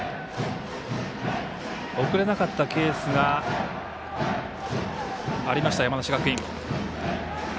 送れなかったケースがありました、山梨学院。